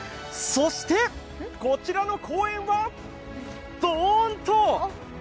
そして、こちらの公園はドーンと！